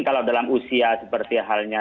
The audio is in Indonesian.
kalau dalam usia seperti halnya